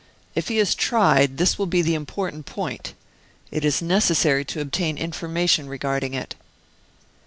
If he is tried, this will be the important point. It is necessary to obtain information regarding it."